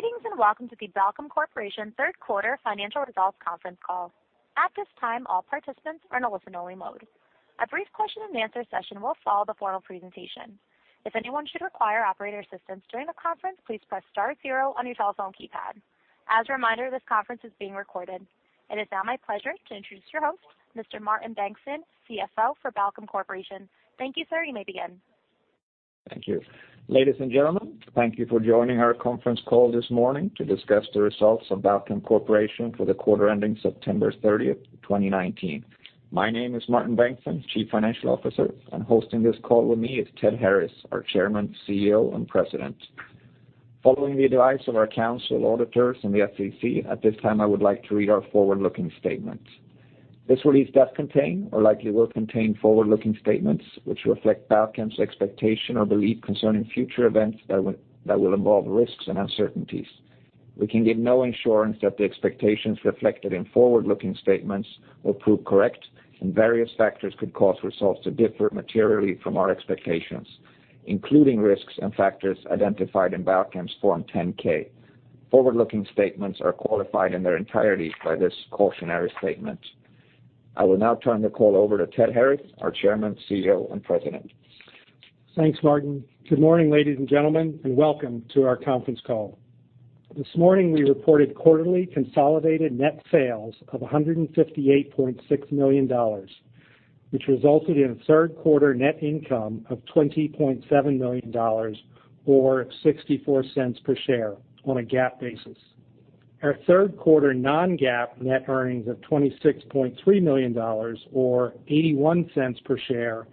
Greetings and welcome to the Balchem Corporation third quarter financial results conference call. At this time, all participants are in a listen-only mode. A brief question-and-answer session will follow the formal presentation. If anyone should require operator assistance during the conference, please press star zero on your telephone keypad. As a reminder, this conference is being recorded. It is now my pleasure to introduce your host, Mr. Martin Bengtsson, CFO for Balchem Corporation. Thank you, sir. You may begin. Thank you. Ladies and gentlemen, thank you for joining our conference call this morning to discuss the results of Balchem Corporation for the quarter ending September 30th, 2019. My name is Martin Bengtsson, Chief Financial Officer, and hosting this call with me is Ted Harris, our Chairman, CEO, and President. Following the advice of our counsel, auditors, and the SEC, at this time, I would like to read our forward-looking statement. This release does contain or likely will contain forward-looking statements which reflect Balchem's expectation or belief concerning future events that will involve risks and uncertainties. We can give no assurance that the expectations reflected in forward-looking statements will prove correct, and various factors could cause results to differ materially from our expectations, including risks and factors identified in Balchem's Form 10-K. Forward-looking statements are qualified in their entirety by this cautionary statement. I will now turn the call over to Ted Harris, our Chairman, CEO, and President. Thanks, Martin. Good morning, ladies and gentlemen, and welcome to our conference call. This morning, we reported quarterly consolidated net sales of $158.6 million, which resulted in a third quarter net income of $20.7 million or $0.64 per share on a GAAP basis. Our third quarter non-GAAP net earnings of $26.3 million or $0.81 per share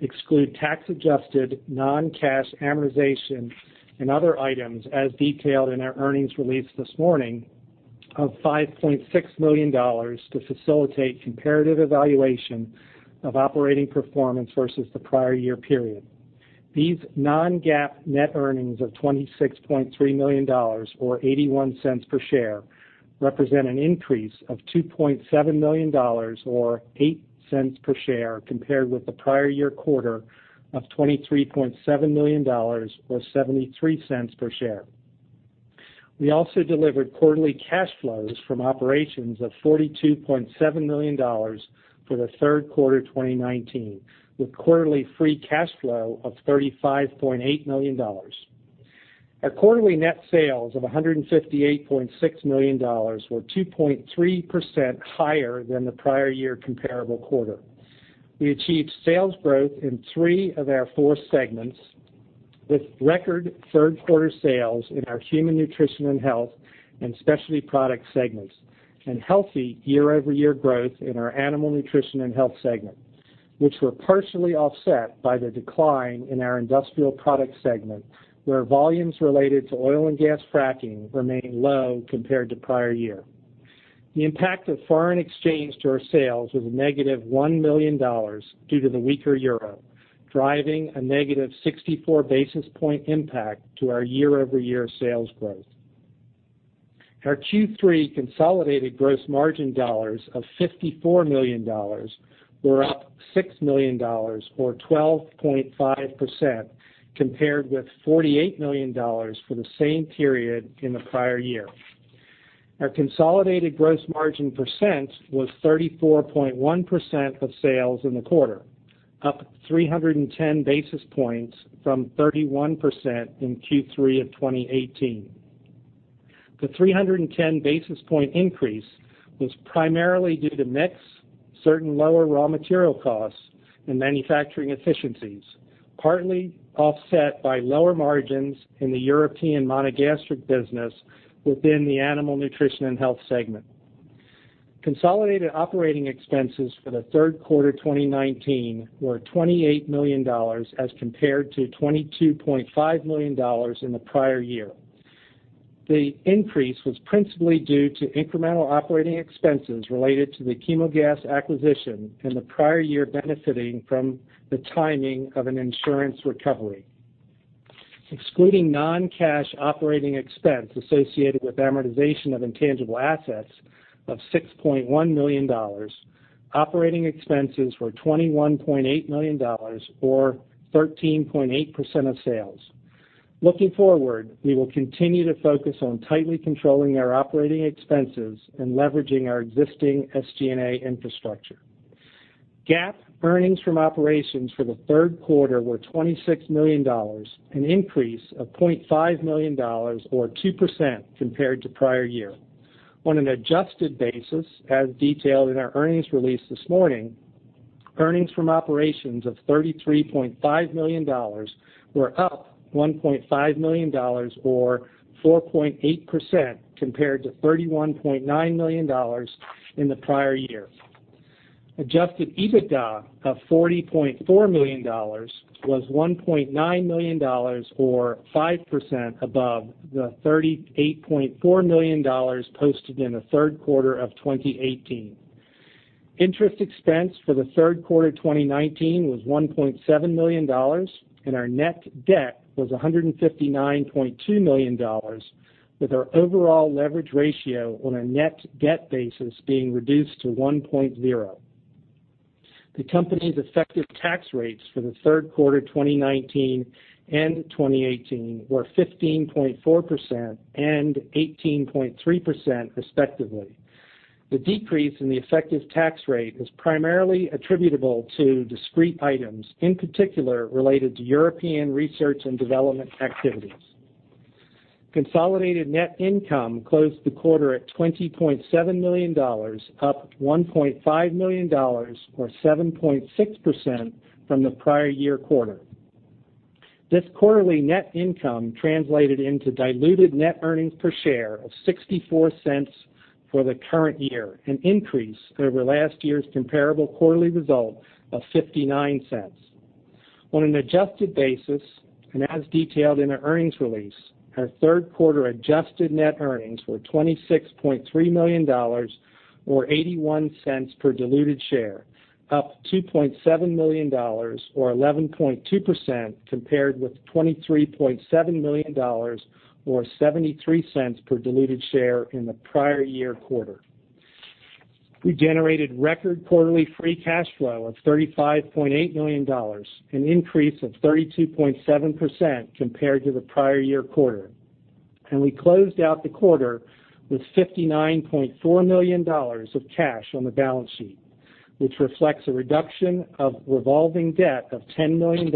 exclude tax-adjusted non-cash amortization and other items as detailed in our earnings release this morning of $5.6 million to facilitate comparative evaluation of operating performance versus the prior year period. These non-GAAP net earnings of $26.3 million or $0.81 per share represent an increase of $2.7 million or $0.08 per share compared with the prior year quarter of $23.7 million or $0.73 per share. We also delivered quarterly cash flows from operations of $42.7 million for the third quarter 2019, with quarterly free cash flow of $35.8 million. Our quarterly net sales of $158.6 million were 2.3% higher than the prior year comparable quarter. We achieved sales growth in three of our four segments, with record third-quarter sales in our Human Nutrition and Health and Specialty Product segments, and healthy year-over-year growth in our Animal Nutrition and Health segment, which were partially offset by the decline in our Industrial Product segment, where volumes related to oil and gas fracking remain low compared to prior year. The impact of foreign exchange to our sales was a negative $1 million due to the weaker euro, driving a negative 64-basis-point impact to our year-over-year sales growth. Our Q3 consolidated gross margin dollars of $54 million were up $6 million or 12.5% compared with $48 million for the same period in the prior year. Our consolidated gross margin % was 34.1% of sales in the quarter, up 310 basis points from 31% in Q3 of 2018. The 310-basis-point increase was primarily due to mix, certain lower raw material costs, and manufacturing efficiencies, partly offset by lower margins in the European monogastric business within the Animal Nutrition and Health segment. Consolidated operating expenses for the third quarter 2019 were $28 million as compared to $22.5 million in the prior year. The increase was principally due to incremental operating expenses related to the Chemogas acquisition in the prior year benefiting from the timing of an insurance recovery. Excluding non-cash operating expense associated with amortization of intangible assets of $6.1 million, operating expenses were $21.8 million or 13.8% of sales. Looking forward, we will continue to focus on tightly controlling our operating expenses and leveraging our existing SG&A infrastructure. GAAP earnings from operations for the third quarter were $26 million, an increase of $0.5 million or 2% compared to prior year. On an adjusted basis, as detailed in our earnings release this morning, earnings from operations of $33.5 million were up $1.5 million or 4.8% compared to $31.9 million in the prior year. Adjusted EBITDA of $40.4 million was $1.9 million, or 5% above the $38.4 million posted in the third quarter of 2018. Interest expense for the third quarter 2019 was $1.7 million, and our net debt was $159.2 million, with our overall leverage ratio on a net debt basis being reduced to 1.0. The company's effective tax rates for the third quarter 2019 and 2018 were 15.4% and 18.3% respectively. The decrease in the effective tax rate is primarily attributable to discrete items, in particular related to European research and development activities. Consolidated net income closed the quarter at $20.7 million, up $1.5 million, or 7.6% from the prior year quarter. This quarterly net income translated into diluted net earnings per share of $0.64 for the current year, an increase over last year's comparable quarterly result of $0.59. On an adjusted basis, and as detailed in our earnings release, our third quarter adjusted net earnings were $26.3 million or $0.81 per diluted share, up $2.7 million or 11.2% compared with $23.7 million or $0.73 per diluted share in the prior year quarter. We generated record quarterly free cash flow of $35.8 million, an increase of 32.7% compared to the prior year quarter. We closed out the quarter with $59.4 million of cash on the balance sheet, which reflects a reduction of revolving debt of $10 million,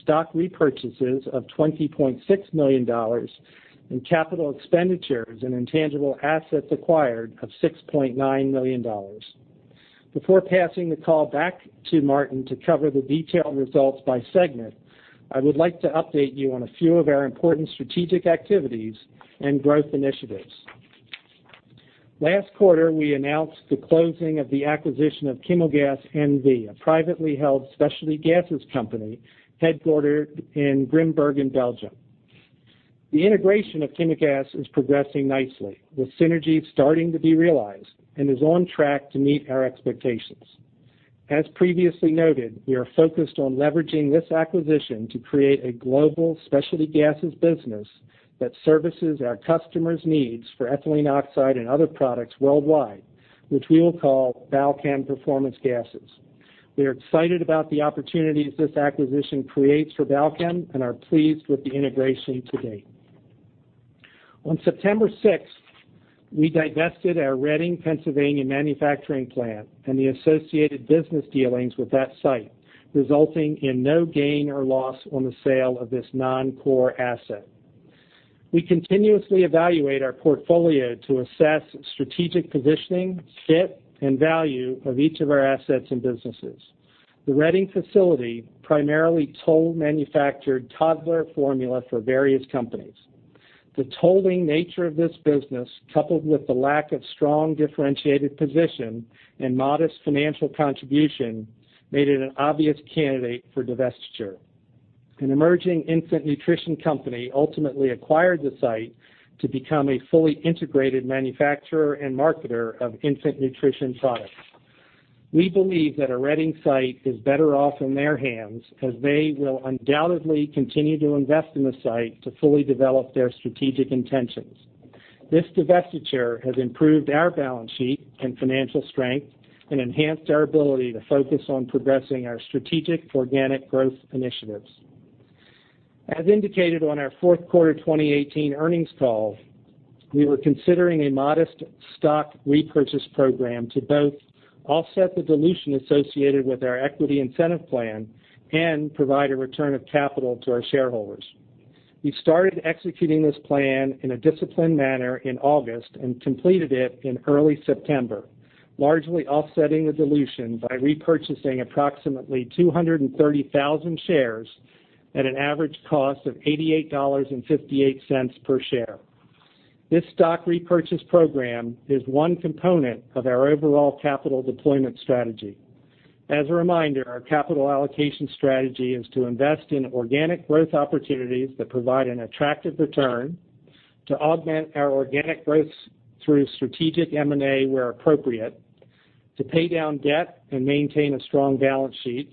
stock repurchases of $20.6 million, and capital expenditures and intangible assets acquired of $6.9 million. Before passing the call back to Martin to cover the detailed results by segment, I would like to update you on a few of our important strategic activities and growth initiatives. Last quarter, we announced the closing of the acquisition of Chemogas NV, a privately held specialty gases company headquartered in Grimbergen, Belgium. The integration of Chemogas is progressing nicely, with synergies starting to be realized and is on track to meet our expectations. As previously noted, we are focused on leveraging this acquisition to create a global specialty gases business that services our customers' needs for ethylene oxide and other products worldwide, which we will call Balchem Performance Gases. We are excited about the opportunities this acquisition creates for Balchem and are pleased with the integration to date. On September 6th, we divested our Reading, Pennsylvania, manufacturing plant and the associated business dealings with that site, resulting in no gain or loss on the sale of this non-core asset. We continuously evaluate our portfolio to assess strategic positioning, fit, and value of each of our assets and businesses. The Reading facility primarily toll manufactured toddler formula for various companies. The tolling nature of this business, coupled with the lack of strong differentiated position and modest financial contribution, made it an obvious candidate for divestiture. An emerging infant nutrition company ultimately acquired the site to become a fully integrated manufacturer and marketer of infant nutrition products. We believe that our Reading site is better off in their hands as they will undoubtedly continue to invest in the site to fully develop their strategic intentions. This divestiture has improved our balance sheet and financial strength and enhanced our ability to focus on progressing our strategic organic growth initiatives. As indicated on our fourth quarter 2018 earnings call, we were considering a modest stock repurchase program to both offset the dilution associated with our equity incentive plan and provide a return of capital to our shareholders. We started executing this plan in a disciplined manner in August and completed it in early September, largely offsetting the dilution by repurchasing approximately 230,000 shares at an average cost of $88.58 per share. This stock repurchase program is one component of our overall capital deployment strategy. As a reminder, our capital allocation strategy is to invest in organic growth opportunities that provide an attractive return, to augment our organic growth through strategic M&A where appropriate, to pay down debt and maintain a strong balance sheet,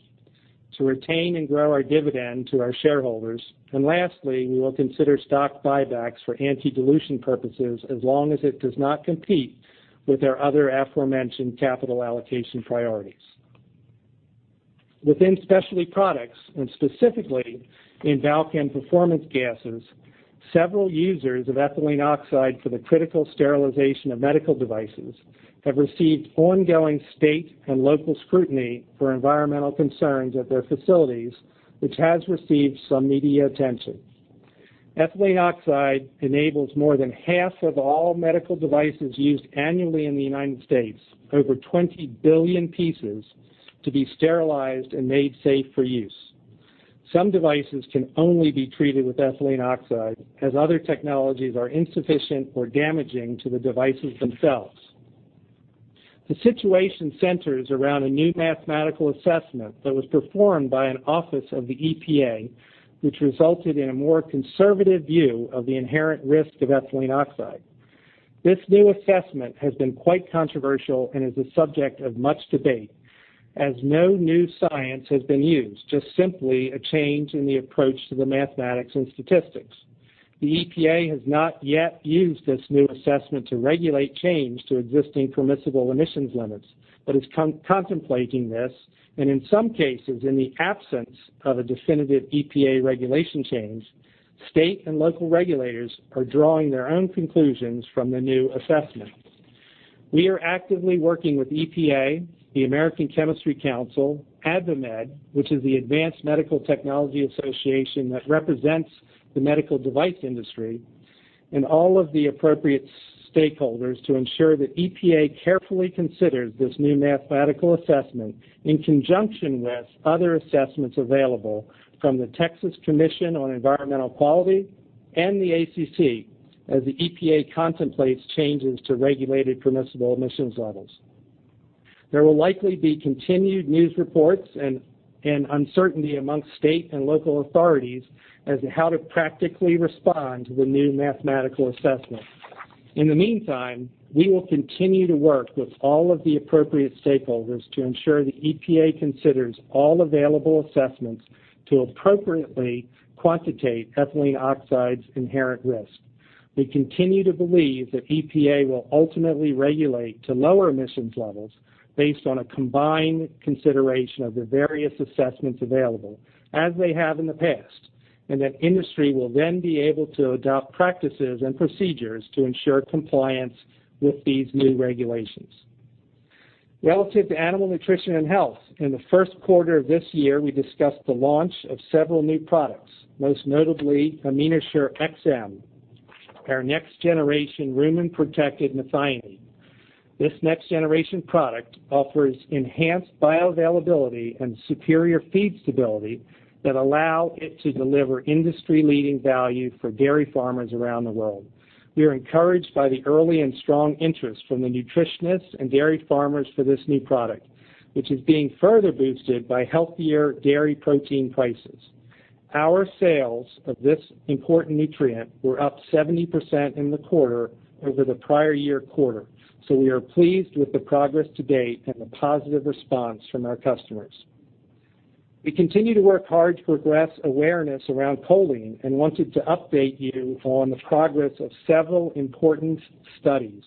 to retain and grow our dividend to our shareholders, and lastly, we will consider stock buybacks for anti-dilution purposes as long as it does not compete with our other aforementioned capital allocation priorities. Within specialty products, and specifically in Balchem Performance Gases, several users of ethylene oxide for the critical sterilization of medical devices have received ongoing state and local scrutiny for environmental concerns at their facilities, which has received some media attention. Ethylene oxide enables more than half of all medical devices used annually in the United States, over 20 billion pieces, to be sterilized and made safe for use. Some devices can only be treated with ethylene oxide, as other technologies are insufficient or damaging to the devices themselves. The situation centers around a new mathematical assessment that was performed by an office of the EPA, which resulted in a more conservative view of the inherent risk of ethylene oxide. This new assessment has been quite controversial and is a subject of much debate, as no new science has been used, just simply a change in the approach to the mathematics and statistics. The EPA has not yet used this new assessment to regulate change to existing permissible emissions limits, but is contemplating this, and in some cases, in the absence of a definitive EPA regulation change, state and local regulators are drawing their own conclusions from the new assessment. We are actively working with EPA, the American Chemistry Council, AdvaMed, which is the Advanced Medical Technology Association that represents the medical device industry, and all of the appropriate stakeholders to ensure that EPA carefully considers this new mathematical assessment in conjunction with other assessments available from the Texas Commission on Environmental Quality and the ACC as the EPA contemplates changes to regulated permissible emissions levels. There will likely be continued news reports and uncertainty among state and local authorities as to how to practically respond to the new mathematical assessment. In the meantime, we will continue to work with all of the appropriate stakeholders to ensure the EPA considers all available assessments to appropriately quantitate ethylene oxide's inherent risk. We continue to believe that EPA will ultimately regulate to lower emissions levels based on a combined consideration of the various assessments available, as they have in the past, and that industry will then be able to adopt practices and procedures to ensure compliance with these new regulations. Relative to animal nutrition and health, in the first quarter of this year, we discussed the launch of several new products, most notably AminoShure-XM, our next-generation rumen-protected methionine. This next-generation product offers enhanced bioavailability and superior feed stability that allow it to deliver industry-leading value for dairy farmers around the world. We are encouraged by the early and strong interest from the nutritionists and dairy farmers for this new product, which is being further boosted by healthier dairy protein prices. Our sales of this important nutrient were up 70% in the quarter over the prior year quarter. We are pleased with the progress to date and the positive response from our customers. We continue to work hard to progress awareness around choline and wanted to update you on the progress of several important studies.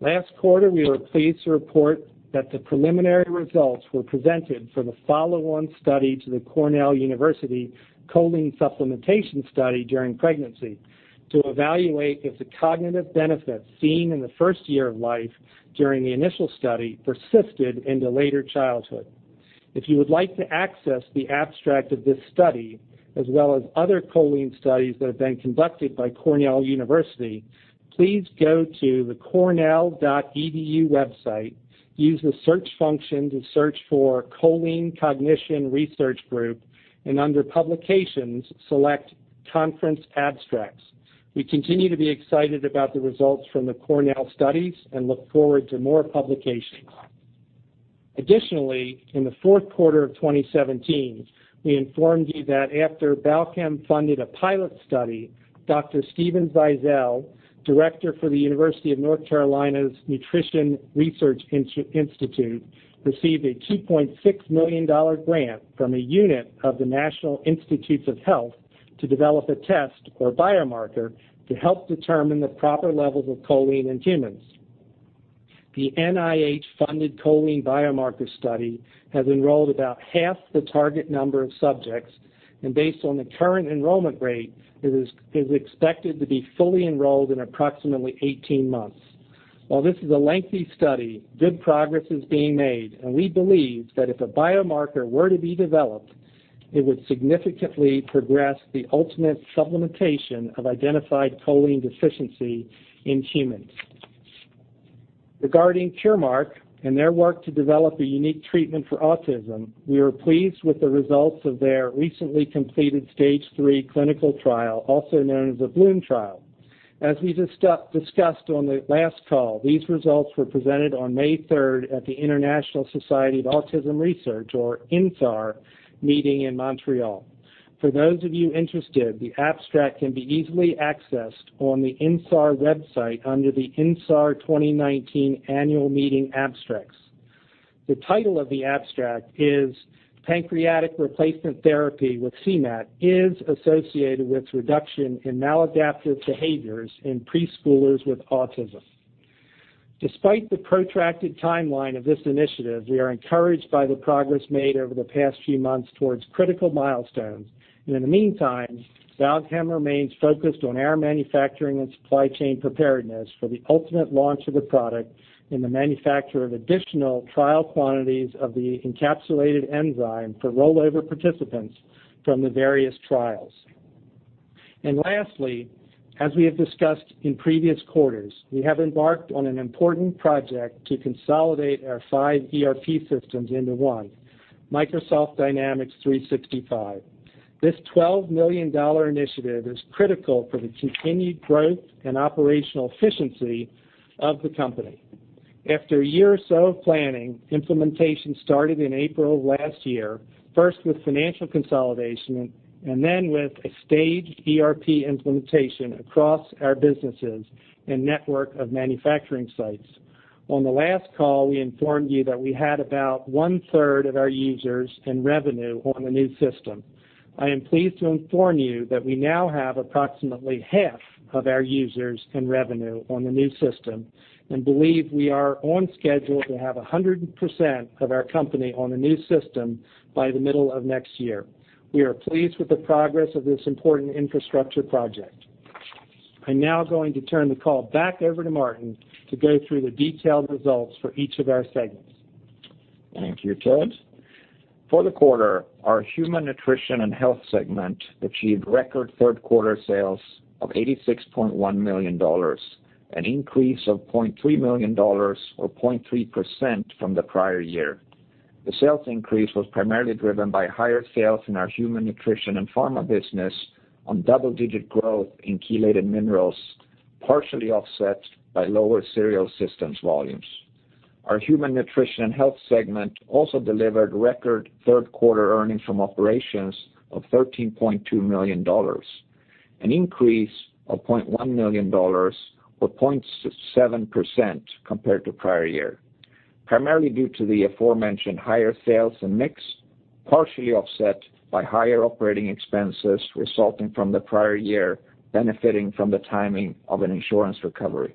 Last quarter, we were pleased to report that the preliminary results were presented for the follow on study to the Cornell University Choline Supplementation Study during pregnancy to evaluate if the cognitive benefits seen in the first year of life during the initial study persisted into later childhood. If you would like to access the abstract of this study, as well as other choline studies that have been conducted by Cornell University, please go to the cornell.edu website, use the search function to search for Choline Cognition Research Group, and under Publications, select Conference Abstracts. We continue to be excited about the results from the Cornell studies and look forward to more publications. Additionally, in the fourth quarter of 2017, we informed you that after Balchem funded a pilot study, Dr. Steven Zeisel, director for the University of North Carolina's Nutrition Research Institute, received a $2.6 million grant from a unit of the National Institutes of Health to develop a test or biomarker to help determine the proper levels of choline in humans. The NIH-funded choline biomarker study has enrolled about half the target number of subjects, and based on the current enrollment rate, it is expected to be fully enrolled in approximately 18 months. While this is a lengthy study, good progress is being made, and we believe that if a biomarker were to be developed, it would significantly progress the ultimate supplementation of identified choline deficiency in humans. Regarding Curemark and their work to develop a unique treatment for Autism, we are pleased with the results of their recently completed phase III clinical trial, also known as the Blüm trial. As we discussed on the last call, these results were presented on May 3rd at the International Society for Autism Research, or INSAR, meeting in Montreal. For those of you interested, the abstract can be easily accessed on the INSAR website under the INSAR 2019 Annual Meeting abstracts. The title of the abstract is Pancreatic Replacement Therapy with CM-AT Is Associated with Reduction in Maladaptive Behaviors in Preschoolers with Autism. Despite the protracted timeline of this initiative, we are encouraged by the progress made over the past few months towards critical milestones. In the meantime, Balchem remains focused on our manufacturing and supply chain preparedness for the ultimate launch of the product and the manufacture of additional trial quantities of the encapsulated enzyme for rollover participants from the various trials. Lastly, as we have discussed in previous quarters, we have embarked on an important project to consolidate our 5 ERP systems into one, Microsoft Dynamics 365. This $12 million initiative is critical for the continued growth and operational efficiency of the company. After a year or so of planning, implementation started in April of last year, first with financial consolidation and then with a staged ERP implementation across our businesses and network of manufacturing sites. On the last call, we informed you that we had about one-third of our users and revenue on the new system. I am pleased to inform you that we now have approximately half of our users and revenue on the new system. We believe we are on schedule to have 100% of our company on the new system by the middle of next year. We are pleased with the progress of this important infrastructure project. I'm now going to turn the call back over to Martin to go through the detailed results for each of our segments. Thank you, Ted. For the quarter, our Human Nutrition and Health segment achieved record third quarter sales of $86.1 million, an increase of $0.3 million, or 0.3% from the prior year. The sales increase was primarily driven by higher sales in our Human Nutrition and Pharma business on double-digit growth in chelated minerals, partially offset by lower cereal systems volumes. Our Human Nutrition and Health segment also delivered record third quarter earnings from operations of $13.2 million, an increase of $0.1 million, or 0.7% compared to prior year. Primarily due to the aforementioned higher sales and mix, partially offset by higher operating expenses resulting from the prior year benefiting from the timing of an insurance recovery.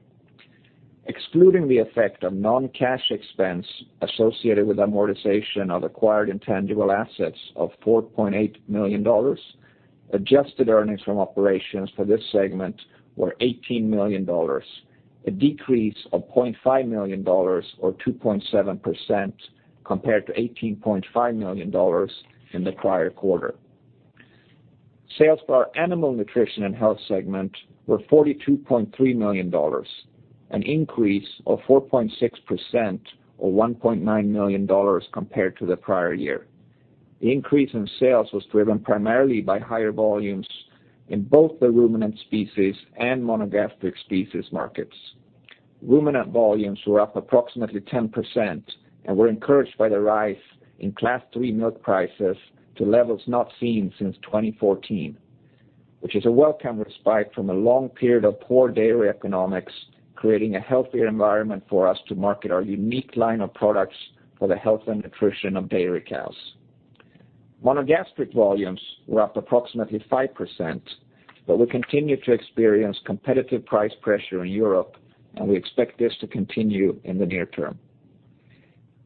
Excluding the effect of non-cash expense associated with amortization of acquired intangible assets of $4.8 million, adjusted earnings from operations for this segment were $18 million, a decrease of $0.5 million, or 2.7% compared to $18.5 million in the prior quarter. Sales for our animal nutrition and health segment were $42.3 million, an increase of 4.6% or $1.9 million compared to the prior year. The increase in sales was driven primarily by higher volumes in both the ruminant species and monogastric species markets. Ruminant volumes were up approximately 10% and were encouraged by the rise in Class III milk prices to levels not seen since 2014, which is a welcome respite from a long period of poor dairy economics, creating a healthier environment for us to market our unique line of products for the health and nutrition of dairy cows. Monogastric volumes were up approximately 5%, but we continue to experience competitive price pressure in Europe, and we expect this to continue in the near term.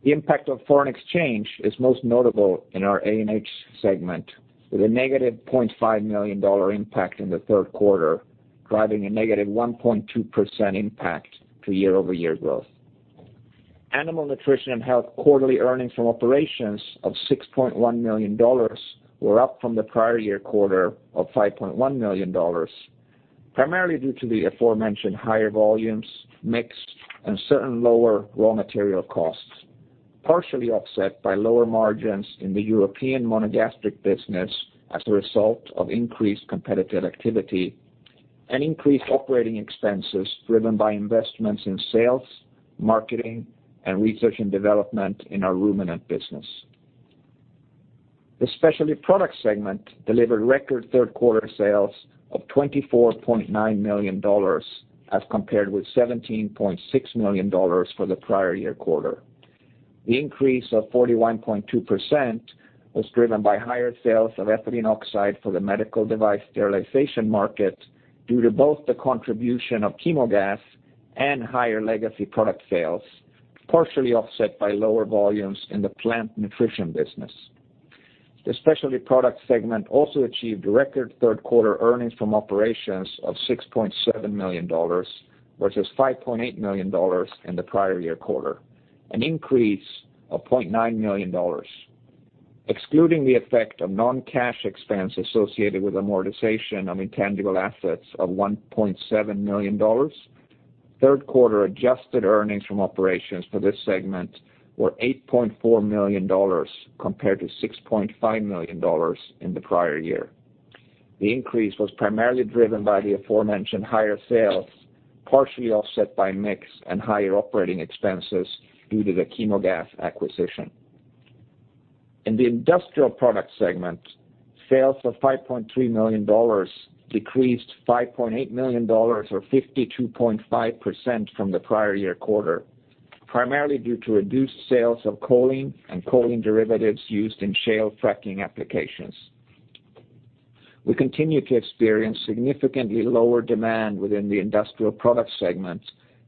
The impact of foreign exchange is most notable in our ANH segment, with a negative $0.5 million impact in the third quarter, driving a negative 1.2% impact to year-over-year growth. Animal nutrition and health quarterly earnings from operations of $6.1 million were up from the prior year quarter of $5.1 million, primarily due to the aforementioned higher volumes, mix, and certain lower raw material costs, partially offset by lower margins in the European monogastric business as a result of increased competitive activity and increased operating expenses driven by investments in sales, marketing, and research and development in our ruminant business. The specialty product segment delivered record third quarter sales of $24.9 million as compared with $17.6 million for the prior year quarter. The increase of 41.2% was driven by higher sales of ethylene oxide for the medical device sterilization market due to both the contribution of Chemogas and higher legacy product sales, partially offset by lower volumes in the plant nutrition business. The specialty product segment also achieved record third quarter earnings from operations of $6.7 million, versus $5.8 million in the prior year quarter, an increase of $0.9 million. Excluding the effect of non-cash expense associated with amortization of intangible assets of $1.7 million, third quarter adjusted earnings from operations for this segment were $8.4 million compared to $6.5 million in the prior year. The increase was primarily driven by the aforementioned higher sales, partially offset by mix and higher operating expenses due to the Chemogas acquisition. In the Industrial Products Segment, sales of $5.3 million decreased $5.8 million, or 52.5% from the prior year quarter, primarily due to reduced sales of choline and choline derivatives used in shale fracking applications. We continue to experience significantly lower demand within the Industrial Products Segment,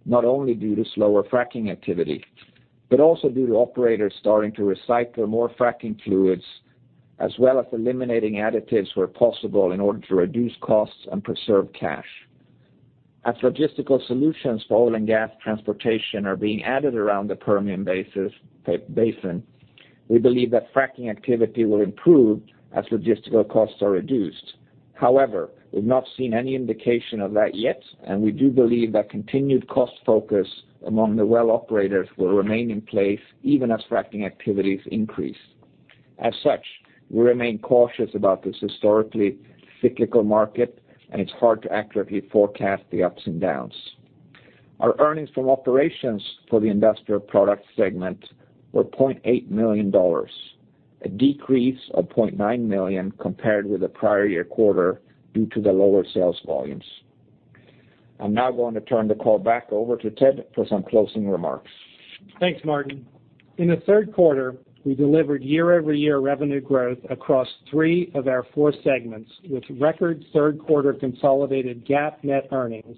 not only due to slower fracking activity, but also due to operators starting to recycle more fracking fluids, as well as eliminating additives where possible in order to reduce costs and preserve cash. As logistical solutions for oil and gas transportation are being added around the Permian Basin, we believe that fracking activity will improve as logistical costs are reduced. However, we've not seen any indication of that yet, and we do believe that continued cost focus among the well operators will remain in place even as fracking activities increase. As such, we remain cautious about this historically cyclical market, and it's hard to accurately forecast the ups and downs. Our earnings from operations for the industrial products segment were $0.8 million. A decrease of $0.9 million compared with the prior year quarter due to the lower sales volumes. I'm now going to turn the call back over to Ted for some closing remarks. Thanks, Martin. In the third quarter, we delivered year-over-year revenue growth across three of our four segments, with record third quarter consolidated GAAP net earnings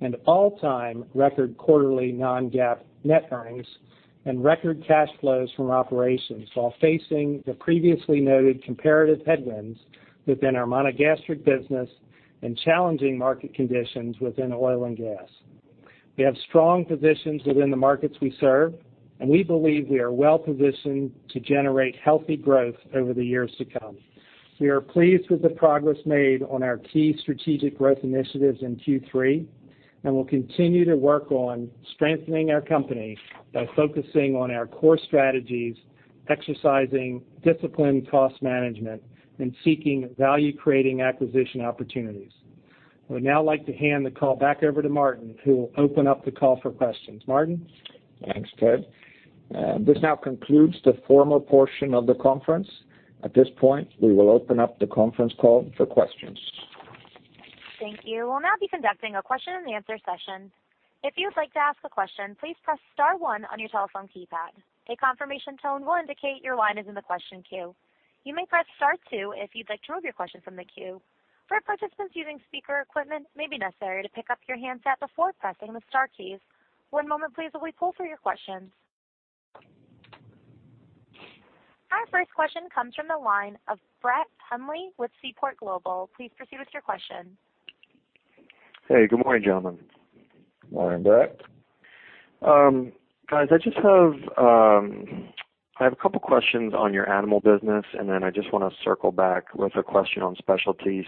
and all-time record quarterly non-GAAP net earnings and record cash flows from operations while facing the previously noted comparative headwinds within our monogastric business and challenging market conditions within oil and gas. We have strong positions within the markets we serve, and we believe we are well-positioned to generate healthy growth over the years to come. We are pleased with the progress made on our key strategic growth initiatives in Q3, and we'll continue to work on strengthening our company by focusing on our core strategies, exercising disciplined cost management, and seeking value-creating acquisition opportunities. I would now like to hand the call back over to Martin, who will open up the call for questions. Martin? Thanks, Ted. This now concludes the formal portion of the conference. At this point, we will open up the conference call for questions. Thank you. We'll now be conducting a question and answer session. If you would like to ask a question, please press *1 on your telephone keypad. A confirmation tone will indicate your line is in the question queue. You may press *2 if you'd like to remove your question from the queue. For participants using speaker equipment, it may be necessary to pick up your handset before pressing the star keys. One moment please while we pull for your questions. Our first question comes from the line of Brett Hundley with Seaport Global. Please proceed with your question. Hey, good morning, gentlemen. Morning, Brett. Guys, I just have a couple questions on your Animal business. Then I just want to circle back with a question on Specialty.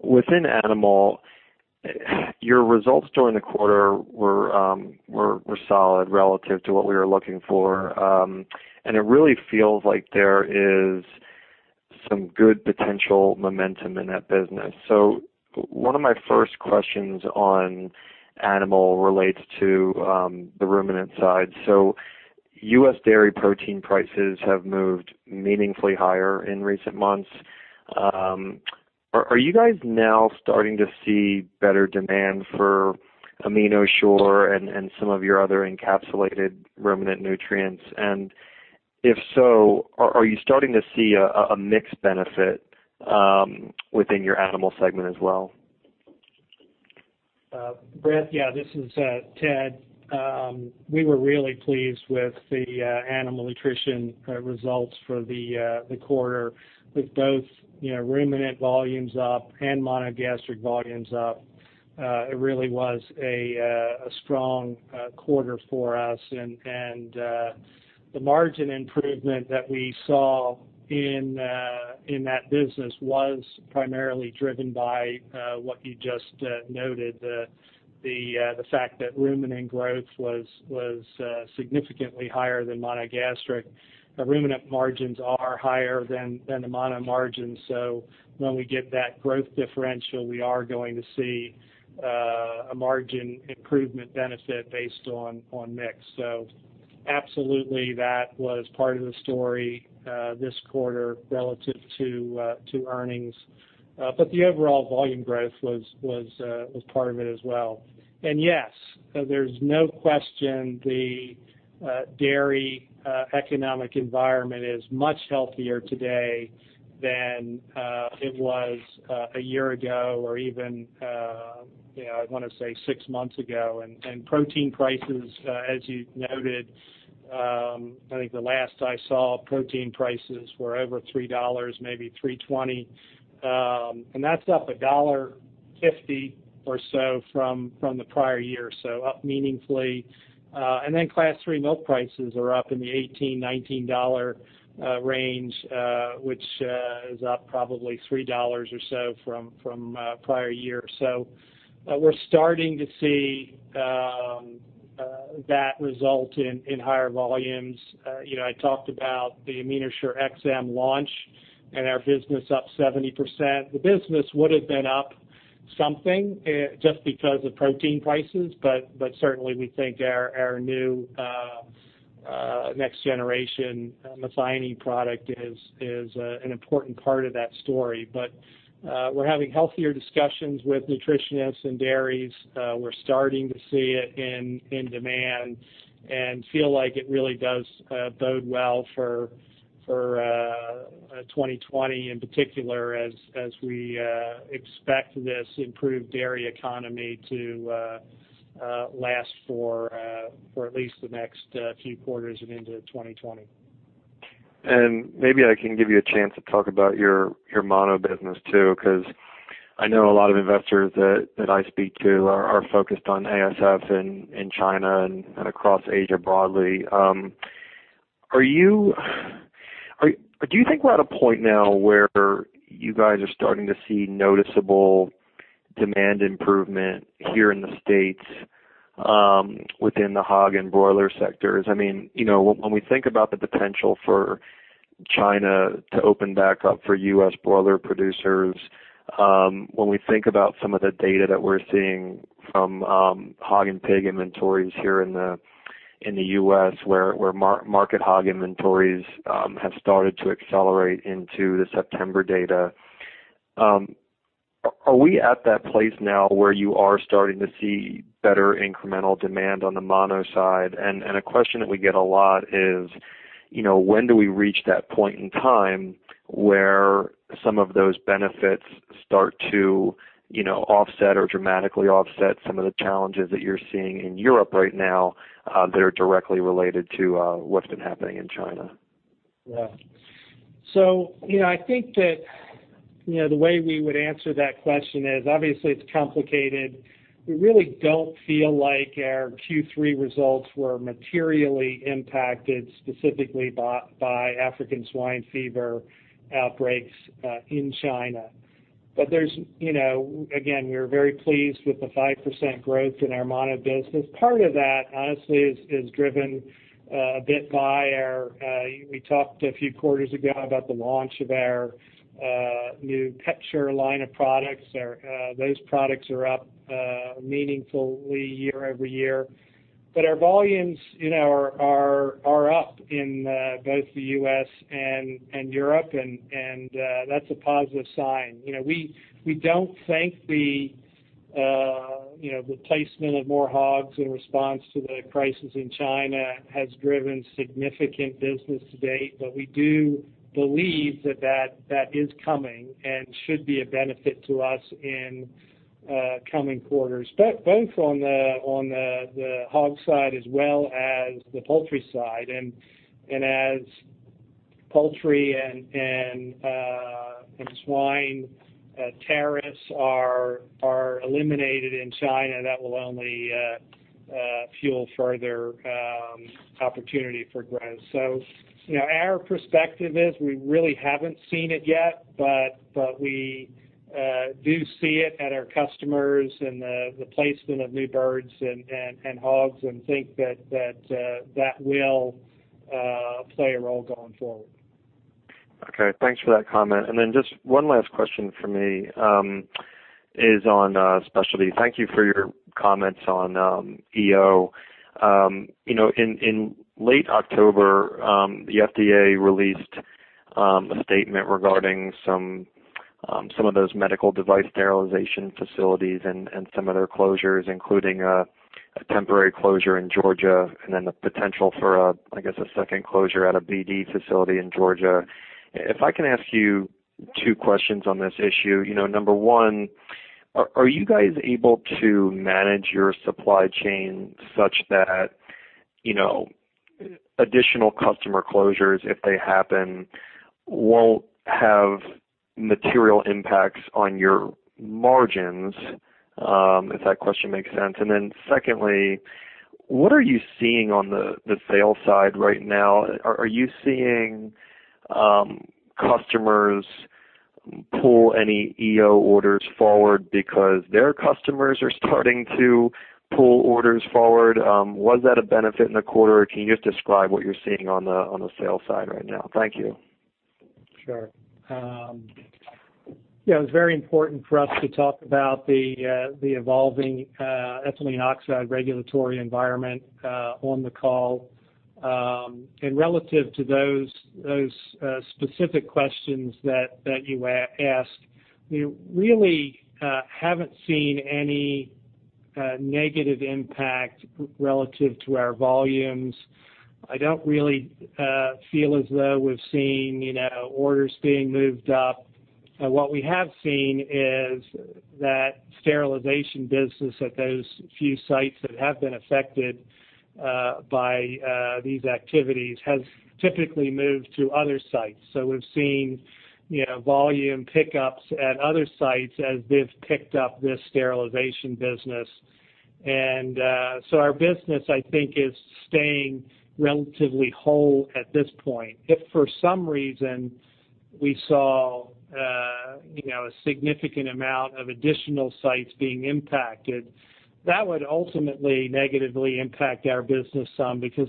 Within Animal, your results during the quarter were solid relative to what we were looking for. It really feels like there is some good potential momentum in that business. One of my 1st questions on Animal relates to the ruminant side. U.S. dairy protein prices have moved meaningfully higher in recent months. Are you guys now starting to see better demand for AminoShure and some of your other encapsulated ruminant nutrients? If so, are you starting to see a mix benefit within your Animal segment as well? Brett, yeah, this is Ted. We were really pleased with the animal nutrition results for the quarter with both ruminant volumes up and monogastric volumes up. It really was a strong quarter for us, and the margin improvement that we saw in that business was primarily driven by what you just noted, the fact that ruminant growth was significantly higher than monogastric. The ruminant margins are higher than the mono margins. When we get that growth differential, we are going to see a margin improvement benefit based on mix. Absolutely, that was part of the story this quarter relative to earnings. The overall volume growth was part of it as well. Yes, there's no question the dairy economic environment is much healthier today than it was a year ago or even, I want to say six months ago. Protein prices, as you noted, I think the last I saw protein prices were over $3, maybe $3.20. That's up $1.50 or so from the prior year, so up meaningfully. Class III milk prices are up in the $18, $19 range, which is up probably $3 or so from prior year. We're starting to see that result in higher volumes. I talked about the AminoShure-XM launch and our business up 70%. The business would have been up something just because of protein prices, but certainly we think our new next generation methionine product is an important part of that story. We're having healthier discussions with nutritionists and dairies. We're starting to see it in demand and feel like it really does bode well for 2020, in particular, as we expect this improved dairy economy to last for at least the next few quarters and into 2020. Maybe I can give you a chance to talk about your mono business, too, because I know a lot of investors that I speak to are focused on ASF in China and across Asia broadly. Do you think we're at a point now where you guys are starting to see noticeable demand improvement here in the U.S. within the hog and broiler sectors? When we think about some of the data that we're seeing from hog and pig inventories here in the U.S. where market hog inventories have started to accelerate into the September data. Are we at that place now where you are starting to see better incremental demand on the mono side? A question that we get a lot is, when do we reach that point in time where some of those benefits start to offset or dramatically offset some of the challenges that you're seeing in Europe right now, that are directly related to what's been happening in China? I think that the way we would answer that question is, obviously it's complicated. We really don't feel like our Q3 results were materially impacted specifically by African swine fever outbreaks in China. Again, we're very pleased with the 5% growth in our mono business. Part of that, honestly, is driven a bit by We talked a few quarters ago about the launch of our new PetShure line of products. Those products are up meaningfully year-over-year. Our volumes are up in both the U.S. and Europe and that's a positive sign. We don't think the replacement of more hogs in response to the crisis in China has driven significant business to date. We do believe that that is coming and should be a benefit to us in coming quarters, both on the hog side as well as the poultry side. As poultry and swine tariffs are eliminated in China, that will only fuel further opportunity for growth. Our perspective is we really haven't seen it yet, but we do see it at our customers and the replacement of new birds and hogs and think that will play a role going forward. Okay. Thanks for that comment. Just one last question from me is on specialty. Thank you for your comments on EO. In late October, the FDA released a statement regarding some of those medical device sterilization facilities and some of their closures, including a temporary closure in Georgia and the potential for, I guess, a second closure at a BD facility in Georgia. If I can ask you two questions on this issue. Number one, are you guys able to manage your supply chain such that additional customer closures, if they happen, won't have material impacts on your margins? If that question makes sense. Secondly, what are you seeing on the sales side right now? Are you seeing customers pull any EO orders forward because their customers are starting to pull orders forward? Was that a benefit in the quarter, or can you just describe what you're seeing on the sales side right now? Thank you. Sure. Yeah, it was very important for us to talk about the evolving ethylene oxide regulatory environment on the call. Relative to those specific questions that you asked, we really haven't seen any negative impact relative to our volumes. I don't really feel as though we've seen orders being moved up. What we have seen is that sterilization business at those few sites that have been affected by these activities has typically moved to other sites. We've seen volume pickups at other sites as they've picked up this sterilization business. Our business, I think, is staying relatively whole at this point. If for some reason we saw a significant amount of additional sites being impacted, that would ultimately negatively impact our business some, because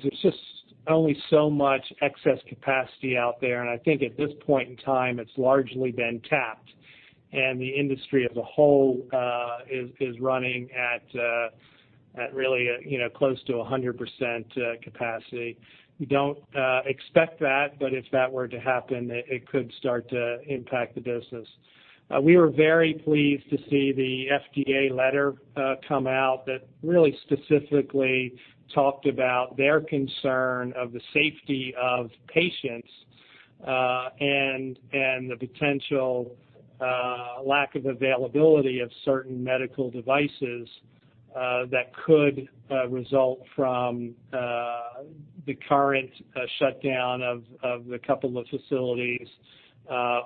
there's just only so much excess capacity out there. I think at this point in time, it's largely been tapped, and the industry as a whole is running at really close to 100% capacity. We don't expect that, if that were to happen, it could start to impact the business. We were very pleased to see the FDA letter come out that really specifically talked about their concern of the safety of patients, and the potential lack of availability of certain medical devices that could result from the current shutdown of the couple of facilities,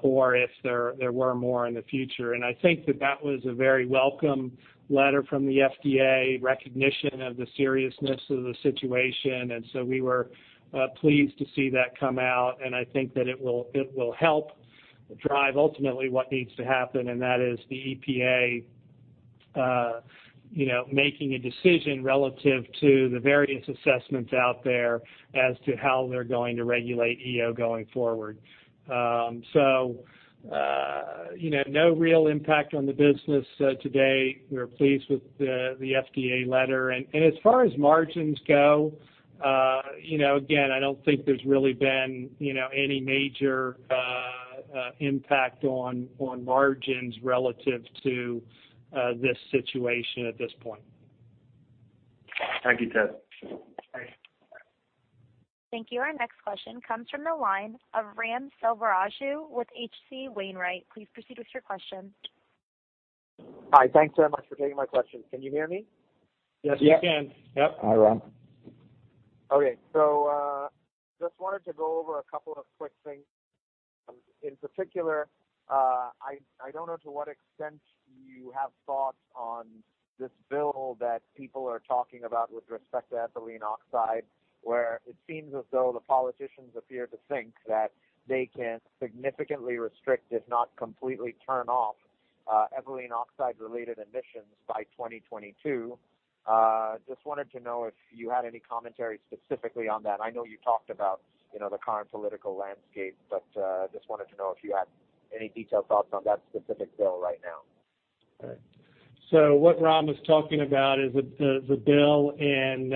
or if there were more in the future. I think that that was a very welcome letter from the FDA, recognition of the seriousness of the situation. We were pleased to see that come out, and I think that it will help drive ultimately what needs to happen, and that is the EPA making a decision relative to the various assessments out there as to how they're going to regulate EO going forward. No real impact on the business today. We're pleased with the FDA letter. As far as margins go, again, I don't think there's really been any major impact on margins relative to this situation at this point. Thank you, Ted. Thanks. Thank you. Our next question comes from the line of Ram Selvaraju with H.C. Wainwright. Please proceed with your question. Hi. Thanks very much for taking my question. Can you hear me? Yes, we can. Yep. Hi, Ram. Okay. Just wanted to go over a couple of quick things. In particular, I don't know to what extent you have thoughts on this bill that people are talking about with respect to ethylene oxide, where it seems as though the politicians appear to think that they can significantly restrict, if not completely turn off, ethylene oxide related emissions by 2022. Just wanted to know if you had any commentary specifically on that. I know you talked about the current political landscape. Just wanted to know if you had any detailed thoughts on that specific bill right now. What Ram was talking about is the bill in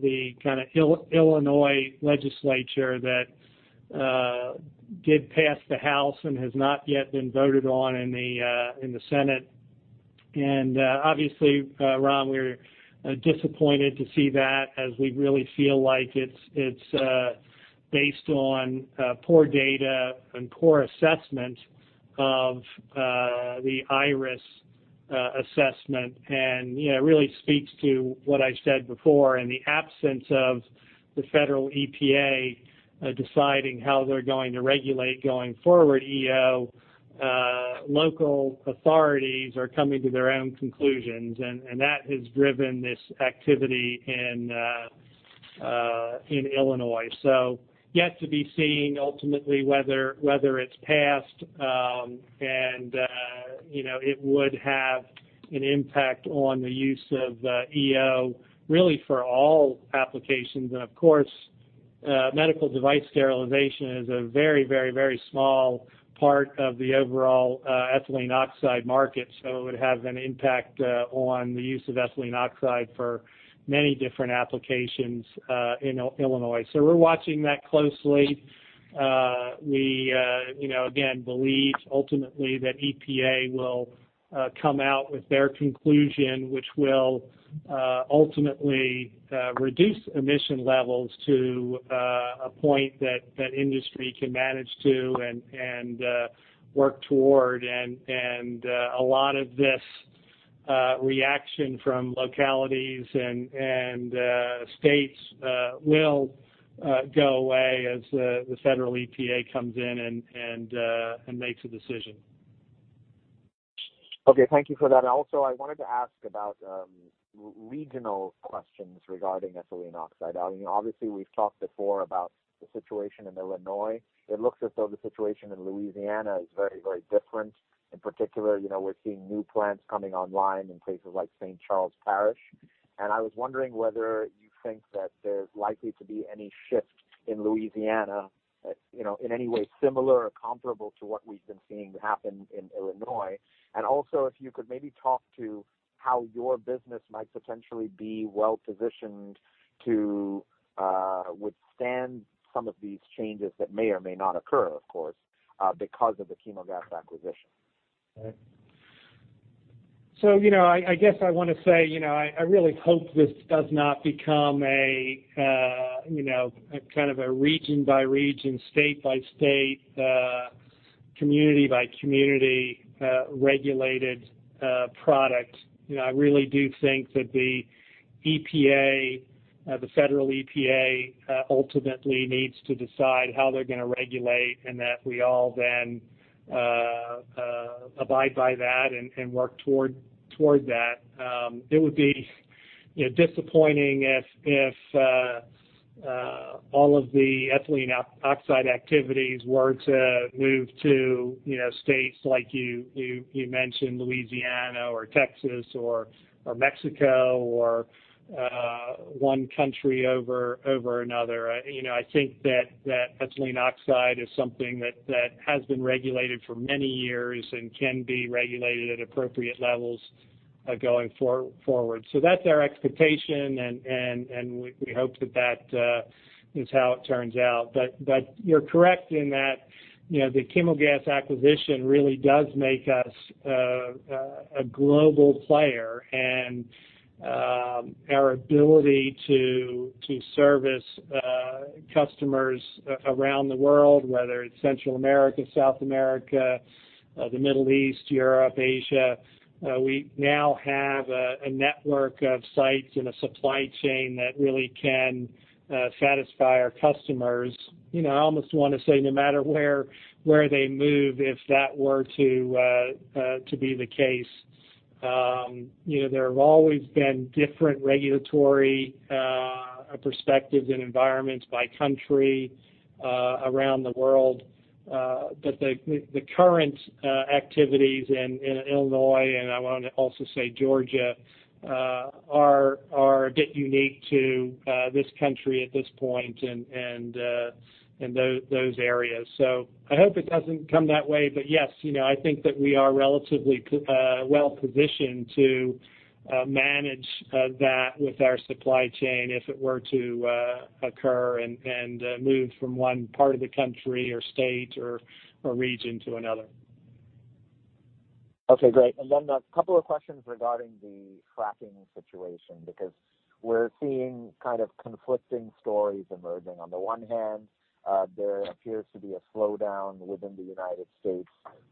the Illinois legislature that did pass the House and has not yet been voted on in the Senate. Obviously, Ram, we're disappointed to see that, as we really feel like it's based on poor data and poor assessment of the IRIS assessment. It really speaks to what I said before. In the absence of the federal EPA deciding how they're going to regulate, going forward, EO, local authorities are coming to their own conclusions, and that has driven this activity in Illinois. Yet to be seen, ultimately, whether it's passed. It would have an impact on the use of EO, really for all applications. Of course, medical device sterilization is a very small part of the overall ethylene oxide market. It would have an impact on the use of ethylene oxide for many different applications in Illinois. We're watching that closely. We, again, believe ultimately that EPA will come out with their conclusion, which will ultimately reduce emission levels to a point that industry can manage to and work toward. A lot of this reaction from localities and states will go away as the federal EPA comes in and makes a decision. Okay. Thank you for that. Also, I wanted to ask about regional questions regarding ethylene oxide. Obviously, we've talked before about the situation in Illinois. It looks as though the situation in Louisiana is very different. In particular, we're seeing new plants coming online in places like St. Charles Parish. I was wondering whether you think that there's likely to be any shift in Louisiana, in any way similar or comparable to what we've been seeing happen in Illinois. Also, if you could maybe talk to how your business might potentially be well-positioned to withstand some of these changes that may or may not occur, of course, because of the Chemogas acquisition. I guess I want to say, I really hope this does not become a kind of a region by region, state by state, community by community, regulated product. I really do think that the federal EPA ultimately needs to decide how they're going to regulate and that we all then abide by that and work toward that. It would be disappointing if all of the ethylene oxide activities were to move to states like you mentioned, Louisiana or Texas or Mexico, or one country over another. I think that ethylene oxide is something that has been regulated for many years and can be regulated at appropriate levels going forward. That's our expectation, and we hope that is how it turns out. You're correct in that, the Chemogas acquisition really does make us a global player. Our ability to service customers around the world, whether it's Central America, South America, the Middle East, Europe, Asia, we now have a network of sites and a supply chain that really can satisfy our customers. I almost want to say, no matter where they move, if that were to be the case. There have always been different regulatory perspectives and environments by country around the world. The current activities in Illinois, and I want to also say Georgia, are a bit unique to this country at this point and those areas. I hope it doesn't come that way. Yes, I think that we are relatively well-positioned to manage that with our supply chain if it were to occur and move from one part of the country or state or region to another. Okay, great. A couple of questions regarding the fracking situation, because we're seeing kind of conflicting stories emerging. On the one hand, there appears to be a slowdown within the U.S.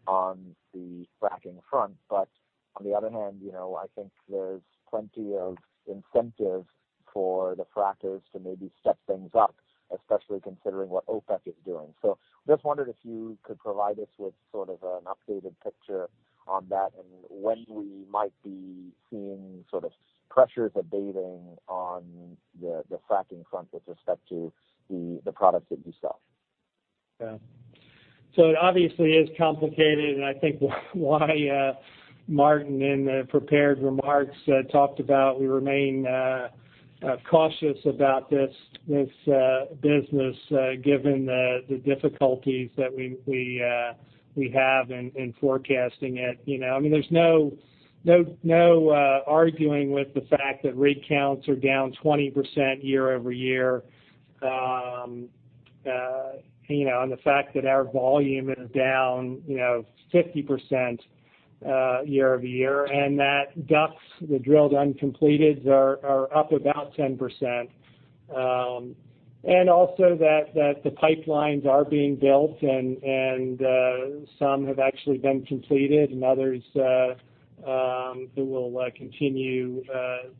on the fracking front. On the other hand, I think there's plenty of incentive for the frackers to maybe step things up, especially considering what OPEC is doing. Just wondered if you could provide us with sort of an updated picture on that and when we might be seeing sort of pressures abating on the fracking front with respect to the products that you sell. It obviously is complicated, and I think why Martin, in the prepared remarks, talked about we remain cautious about this business, given the difficulties that we have in forecasting it. There's no arguing with the fact that rig counts are down 20% year-over-year, and the fact that our volume is down 50% year-over-year, and that DUCs, the drilled and uncompleted, are up about 10%. Also that the pipelines are being built and some have actually been completed and others that will continue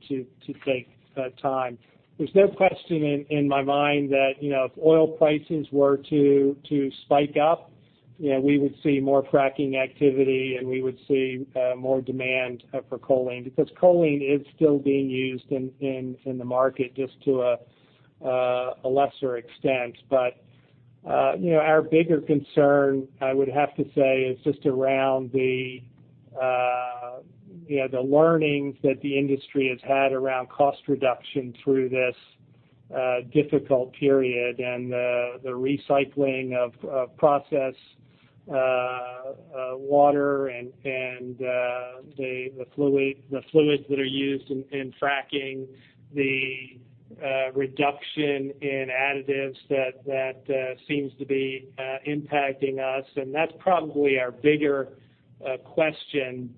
to take time. There's no question in my mind that if oil prices were to spike up, we would see more fracking activity, and we would see more demand for choline because choline is still being used in the market, just to a lesser extent. Our bigger concern, I would have to say, is just around the learnings that the industry has had around cost reduction through this difficult period and the recycling of process water and the fluids that are used in fracking, the reduction in additives that seems to be impacting us. That's probably our bigger question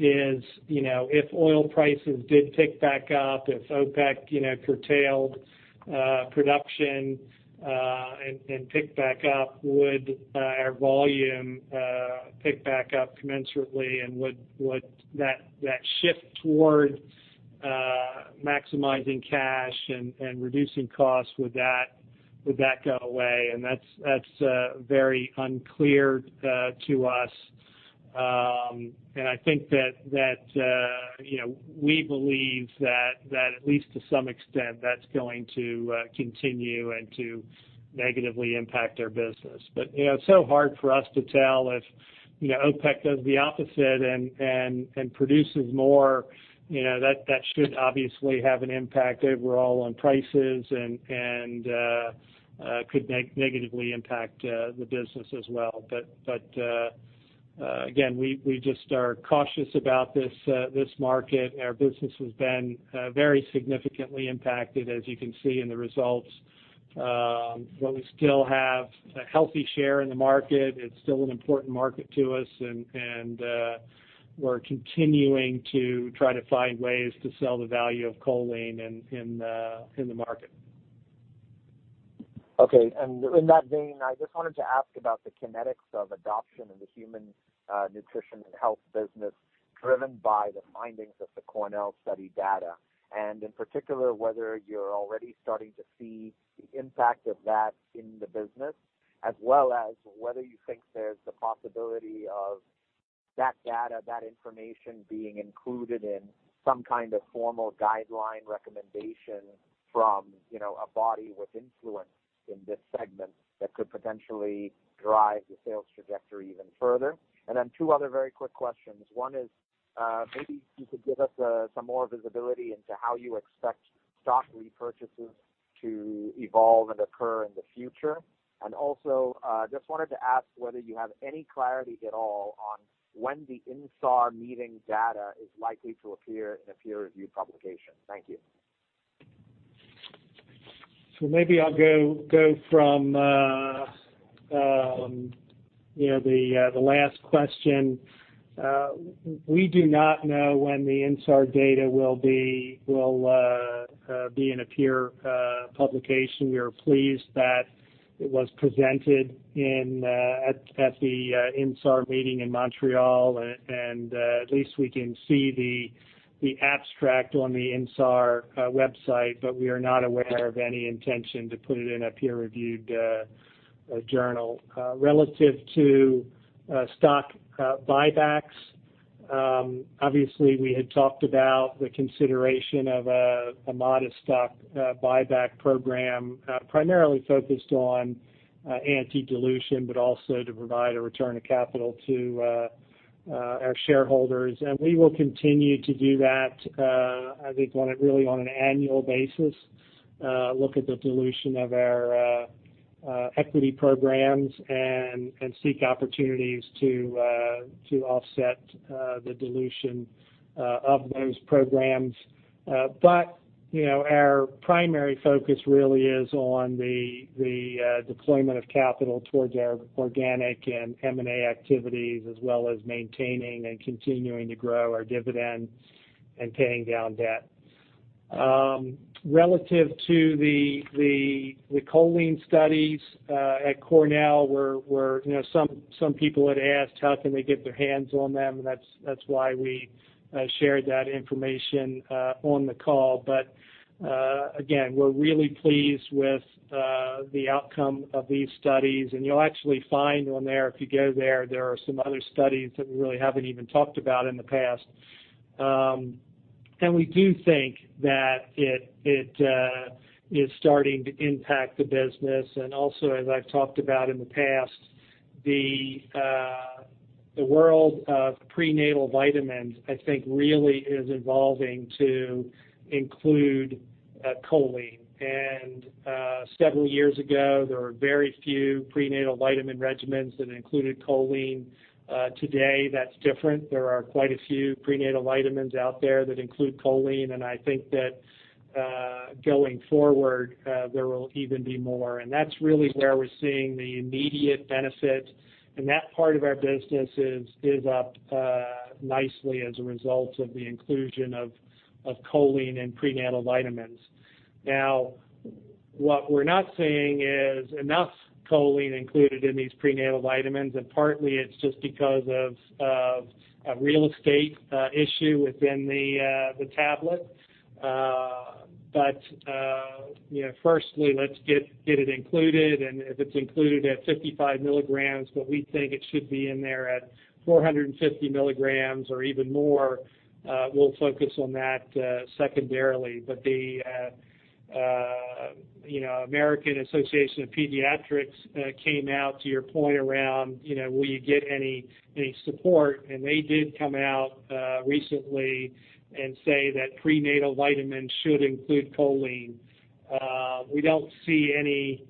is, if oil prices did tick back up, if OPEC curtailed production and picked back up, would our volume pick back up commensurately? Would that shift toward maximizing cash and reducing costs, would that go away? That's very unclear to us. I think that we believe that at least to some extent, that's going to continue and to negatively impact our business. It's so hard for us to tell if OPEC does the opposite and produces more. That should obviously have an impact overall on prices and could negatively impact the business as well. Again, we just are cautious about this market. Our business has been very significantly impacted, as you can see in the results. We still have a healthy share in the market. It's still an important market to us, and we're continuing to try to find ways to sell the value of choline in the market. Okay. In that vein, I just wanted to ask about the kinetics of adoption in the human nutrition and health business driven by the findings of the Cornell study data, and in particular, whether you're already starting to see the impact of that in the business, as well as whether you think there's the possibility of that data, that information being included in some kind of formal guideline recommendation from a body with influence in this segment that could potentially drive the sales trajectory even further. Two other very quick questions. One is maybe you could give us some more visibility into how you expect stock repurchases to evolve and occur in the future. Also, just wanted to ask whether you have any clarity at all on when the INSAR meeting data is likely to appear in a peer-reviewed publication. Thank you. Maybe I'll go from the last question. We do not know when the INSAR data will be in a peer publication. We are pleased that it was presented at the INSAR meeting in Montreal, and at least we can see the abstract on the INSAR website, but we are not aware of any intention to put it in a peer-reviewed journal. Relative to stock buybacks. Obviously, we had talked about the consideration of a modest stock buyback program, primarily focused on anti-dilution, but also to provide a return of capital to our shareholders. We will continue to do that, I think, really on an annual basis, look at the dilution of our equity programs and seek opportunities to offset the dilution of those programs. Our primary focus really is on the deployment of capital towards our organic and M&A activities, as well as maintaining and continuing to grow our dividend and paying down debt. Relative to the choline studies at Cornell, where some people had asked how can they get their hands on them, and that's why we shared that information on the call. Again, we're really pleased with the outcome of these studies, and you'll actually find on there, if you go there are some other studies that we really haven't even talked about in the past. We do think that it is starting to impact the business. Also, as I've talked about in the past, the world of prenatal vitamins, I think, really is evolving to include choline. Several years ago, there were very few prenatal vitamin regimens that included choline. Today, that's different. There are quite a few prenatal vitamins out there that include choline. I think that going forward, there will even be more. That's really where we're seeing the immediate benefit. That part of our business is up nicely as a result of the inclusion of choline in prenatal vitamins. Now, what we're not seeing is enough choline included in these prenatal vitamins, and partly it's just because of a real estate issue within the tablet. Firstly, let's get it included, and if it's included at 55 milligrams, but we think it should be in there at 450 milligrams or even more, we'll focus on that secondarily. The American Academy of Pediatrics came out to your point around will you get any support, and they did come out recently and say that prenatal vitamins should include choline. We don't see any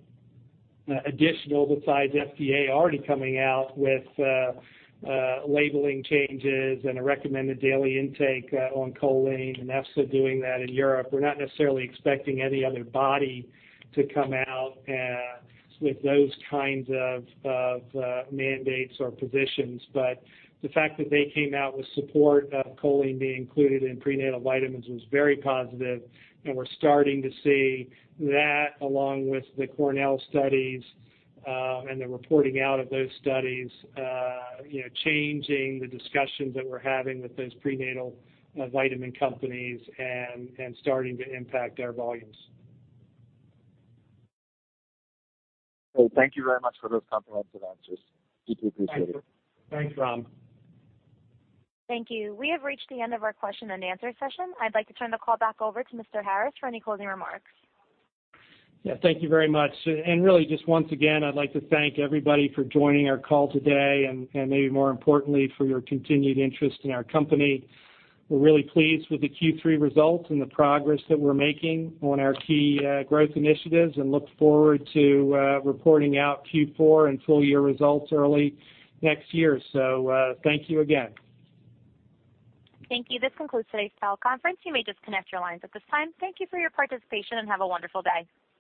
additional, besides FDA already coming out with labeling changes and a recommended daily intake on choline, and EFSA doing that in Europe. We're not necessarily expecting any other body to come out with those kinds of mandates or positions. The fact that they came out with support of choline being included in prenatal vitamins was very positive, and we're starting to see that along with the Cornell studies, and the reporting out of those studies changing the discussions that we're having with those prenatal vitamin companies and starting to impact our volumes. Great. Thank you very much for those comprehensive answers. Deeply appreciated. Thanks, Ram. Thank you. We have reached the end of our question and answer session. I'd like to turn the call back over to Mr. Harris for any closing remarks. Yeah, thank you very much. Really, just once again, I'd like to thank everybody for joining our call today and maybe more importantly, for your continued interest in our company. We're really pleased with the Q3 results and the progress that we're making on our key growth initiatives and look forward to reporting out Q4 and full-year results early next year. Thank you again. Thank you. This concludes today's teleconference. You may disconnect your lines at this time. Thank you for your participation, and have a wonderful day.